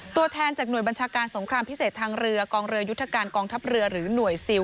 ตัวแทนจากหน่วยบัญชาการสงครามพิเศษทางเรือกองเรือยุทธการกองทัพเรือหรือหน่วยซิล